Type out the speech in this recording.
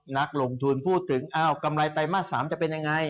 นักลงทุนพูดถึงอ้าวกำไรไตรมาส๓จะเป็นยังไง